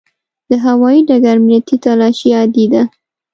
د هوایي ډګر امنیتي تلاشي عادي ده.